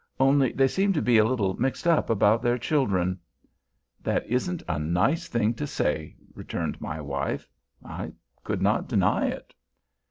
"Only they seem to be a little mixed up about their children." "That isn't a nice thing to say," returned my wife. I could not deny it.